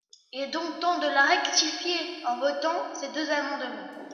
Il est donc temps de la rectifier en votant ces deux amendements.